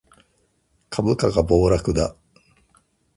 株価が暴落だ